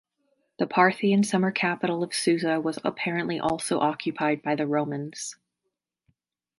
The Parthian summer capital of Susa was apparently also occupied by the Romans.